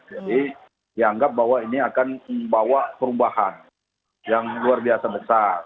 jadi dianggap bahwa ini akan membawa perubahan yang luar biasa besar